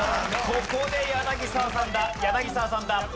ここで柳澤さんだ柳澤さんだ。